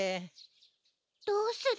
どうする？